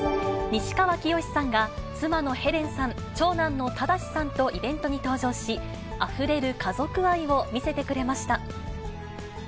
西川きよしさんが、妻のヘレンさん、長男の忠志さんとイベントに登場し、あふれる家族愛を見せてくれました。